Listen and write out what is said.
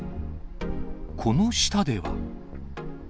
この下では。